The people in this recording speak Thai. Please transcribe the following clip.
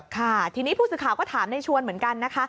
ค่ะทีนี้ผู้สื่อข่าวก็ถามในชวนเหมือนกันนะคะ